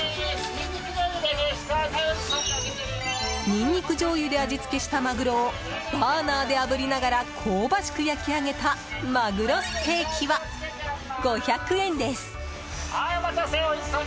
ニンニクじょうゆで味付けしたマグロをバーナーであぶりながら香ばしく焼き上げたまぐろステーキは、５００円です。